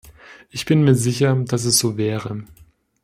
Ich bin mir sicher, dass es so wäre.